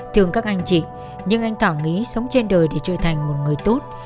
thường các anh chị nhưng anh tỏ nghĩ sống trên đời để trở thành một người tốt